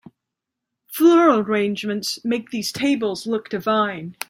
Floral arrangements make these tables look divine.